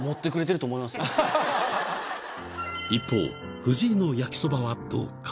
一方藤井のやきそばはどうか？